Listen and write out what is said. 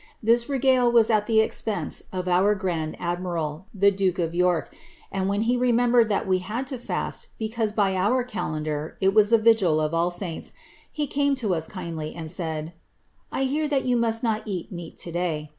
This regale was at the expense of our grand admiral, the duke of York; and when he remembered that we had to fast, because, by our calendar, it was the vigil of All Saints, he came to us kindly,' and said, '1 hear that you must not eat meal to day.